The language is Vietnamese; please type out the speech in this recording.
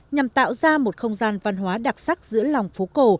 nhằm tạo ra một không gian văn hóa đặc sắc giữa lòng phố cổ